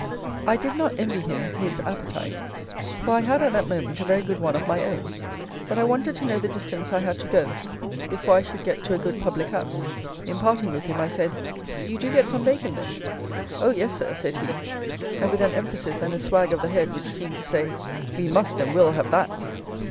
I did not envy him his appetite, for I had at that moment a very good one of my own; but I wanted to know the distance I had to go before I should get to a good public house. In parting with him, I said, "You do get some bacon then?" "Oh, yes! Sir," said he, and with an emphasis and a swag of the head which seemed to say, "We must and will have that."